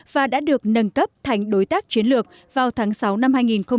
và đã được nâng cấp thành đối tác chiến lược vào tháng sáu năm hai nghìn một mươi ba